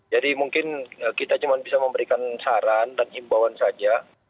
jadi mungkin kita cuma bisa memberikan saran dan imbauan saja